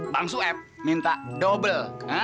bang sueb minta dobel